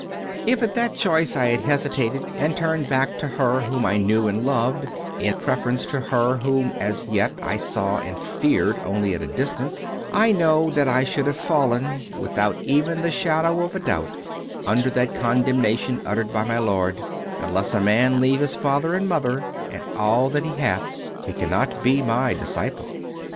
If at that choice I had hesitated and turned back to her whom I knew and loved, in preference to her whom as yet I saw and feared only at a distance, I know that I should have fallen, without even the shadow of a doubt, under that condemnation uttered by my Lord: "Unless a man leave his father and mother and all that he hath, he cannot be My disciple."